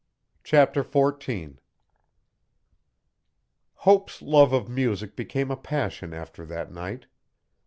Chapter 14 Hope's love of music became a passion after that night.